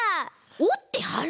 おってはる？